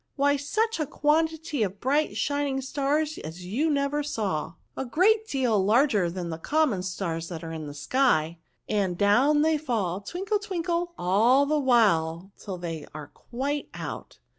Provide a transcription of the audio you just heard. — why such a quantity of bright shining stars as you never saw ! A great deal larger 164 NOUNS, than the common stars that are in the sky ; and down they fall twinkle^ twinkle, all the while, till they are quite out.